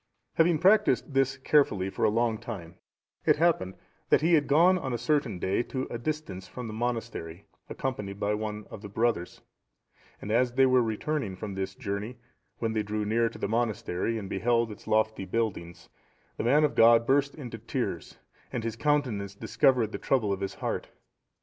Having practised this carefully for a long time, it happened that he had gone on a certain day to a distance from the monastery, accompanied by one the brothers; and as they were returning from this journey, when they drew near to the monastery, and beheld its lofty buildings, the man of God burst into tears, and his countenance discovered the trouble of his heart.